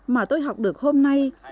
mà tôi học được hôm nay